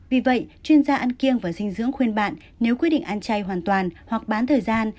vì vậy chuyên gia ăn kiêng và dinh dưỡng khuyên bạn nếu quyết định ăn chay hoàn toàn hoặc bán thời gian